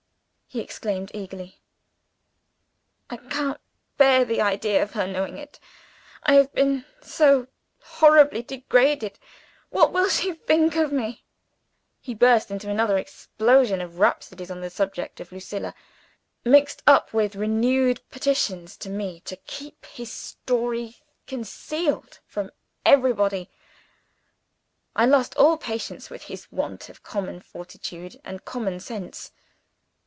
he exclaimed eagerly. "I can't bear the idea of her knowing it. I have been so horribly degraded. What will she think of me?" He burst into another explosion of rhapsodies on the subject of Lucilla mixed up with renewed petitions to me to keep his story concealed from everybody. I lost all patience with his want of common fortitude and common sense.